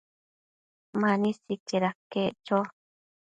Mani sicaid aquec cho